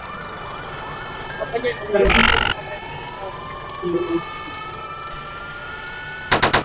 Pamoja na mji mkuu wa Bweranyange na wakaandika kuhusu mila na desturi za Karagwe